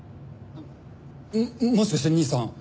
ももしかして兄さん